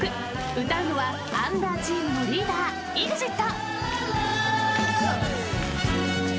歌うのはアンダーチームのリーダーＥＸＩＴ。